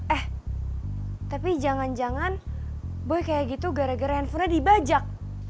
eh tapi jangan jangan gue kayak gitu gara gara handphonenya dibajak